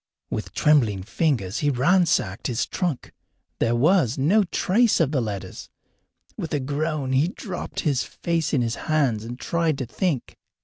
With trembling fingers he ransacked his trunk. There was no trace of the letters. With a groan he dropped his face in his hands and tried to think.